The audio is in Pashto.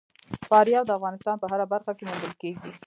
فاریاب د افغانستان په هره برخه کې موندل کېږي.